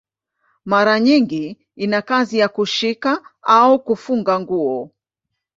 Mara nyingi ina kazi ya kushika au kufunga nguo.